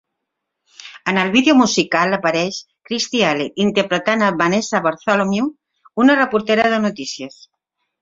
En el vídeo musical apareix Kirstie Alley interpretant a Vanessa Bartholomew, una reportera de notícies.